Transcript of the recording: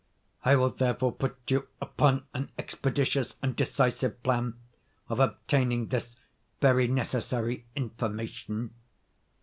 I will therefore put you upon an expeditious and decisive plan of obtaining this very necessary information.